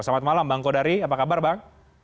selamat malam bang kodari apa kabar bang